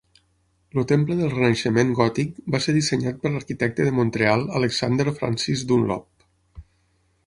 El Temple del Renaixement Gòtic va ser dissenyat per l'arquitecte de Montreal Alexander Francis Dunlop.